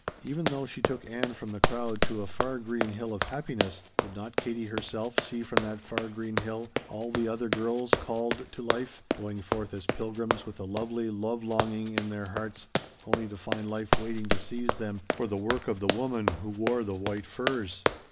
Even though she took Ann from the crowd to a far green hill of happiness, would not Katie herself see from that far green hill all the other girls "called" to life, going forth as pilgrims with the lovely love longing in their hearts only to find life waiting to seize them for the work of the woman who wore the white furs?